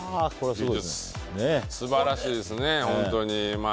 素晴らしいですね、本当に。